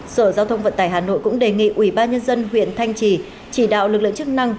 sở giao thông vận tải hà nội cũng đề nghị ubnd huyện thanh trì chỉ đạo lực lượng chức năng